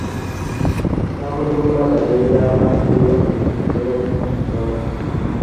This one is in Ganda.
Emisango gy'okulagajjalira abaana gyeyongedde mu kiseera k'yomuggalo.